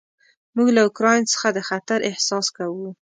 موږ له اوکراین څخه د خطر احساس کوو.